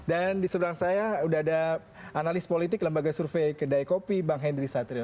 dan di seberang saya sudah ada analis politik lembaga survei kedai kopi bang hendri satria